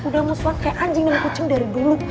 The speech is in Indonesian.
udah masuk kayak anjing dan kucing dari dulu